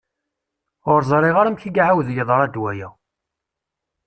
Ur ẓriɣ amek i iεawed yeḍra-d waya.